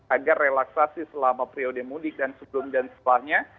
agar relaksasi selama periode mudik dan sebelum dan setelahnya